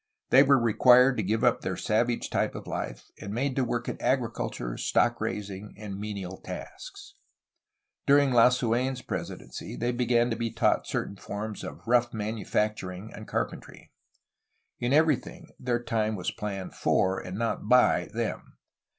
They were required to give up their savage type of life, and made to work at agriculture, stock raising, and menial tasks. During Lasu^n's presidency they began to be taught certain forms of rough manufacturing and carpentery. In everything, their time was planned for, and not hy^ them.